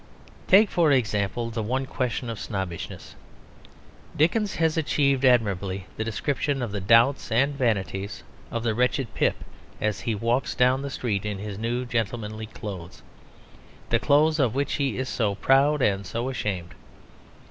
Take, for example, the one question of snobbishness. Dickens has achieved admirably the description of the doubts and vanities of the wretched Pip as he walks down the street in his new gentlemanly clothes, the clothes of which he is so proud and so ashamed.